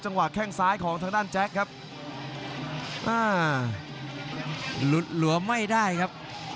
วะแข้งซ้ายของทางด้านแจ๊คครับอ่าหลุดหลวมไม่ได้ครับ